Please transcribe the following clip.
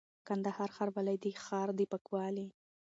:کندهار ښاروالي د ښار د پاکوالي،